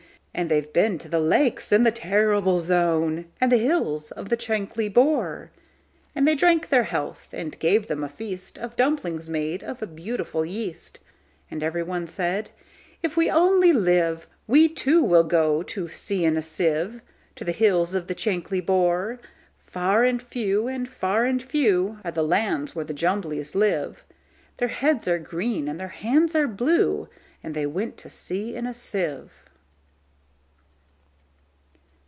For they've been to the Lakes, and the Torrible Zone, And the hills of the Chankly Bore."And they drank their health, and gave them a feastOf dumplings made of beautiful yeast; And every one said, "If we only live, We, too, will go to sea in a sieve, To the hills of the Chankly Bore."Far and few, far and few, Are the lands where the Jumblies live:Their heads are green, and their hands are blue; And they went to sea in a sieve.